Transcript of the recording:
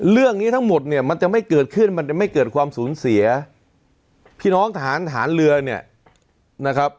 เรื่องนี้ทั้งหมดเนี่ยมันจะไม่เกิดขึ้นมันจะไม่เกิดความสูญเสียพี่น้องทหารฐานเรือเนี่ยนะครับ